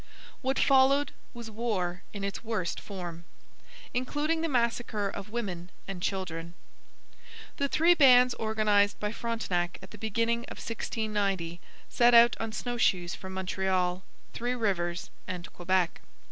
What followed was war in its worst form, including the massacre of women and children. The three bands organized by Frontenac at the beginning of 1690 set out on snowshoes from Montreal, Three Rivers, and Quebec.